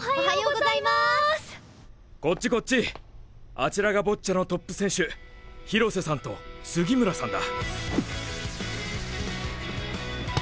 あちらがボッチャのトップ選手廣瀬さんと杉村さんだ。